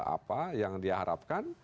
apa yang diharapkan